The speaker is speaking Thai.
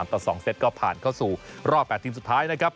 ต่อ๒เซตก็ผ่านเข้าสู่รอบ๘ทีมสุดท้ายนะครับ